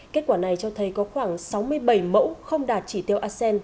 kết quả này cho thấy có khoảng sáu mươi bảy mẫu không đạt chỉ tiêu asean